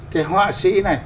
cái họa sĩ này